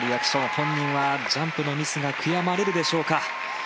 本人はジャンプのミスが悔やまれるでしょうか。